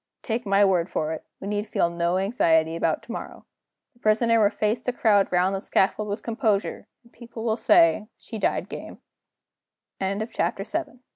Take my word for it, we need feel no anxiety about to morrow. The Prisoner will face the crowd round the scaffold with composure; and the people will say, 'She died